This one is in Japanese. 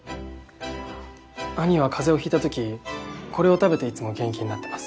兄は風邪を引いた時これを食べていつも元気になってます。